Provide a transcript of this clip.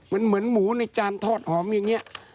มันเหมือนหมูในจานทอดหอมอย่างนี้